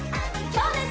そうです！